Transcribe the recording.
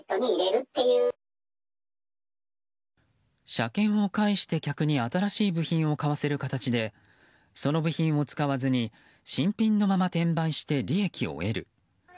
車検を介して客に新しい部品を買わせる形でその部品を使わずに新品のまま転売して利益を得る。